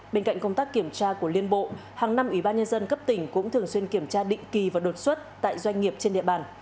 bên cạnh công tác kiểm tra của liên bộ hàng năm ủy ban nhân dân cấp tỉnh cũng thường xuyên kiểm tra định kỳ và đột xuất tại doanh nghiệp trên địa bàn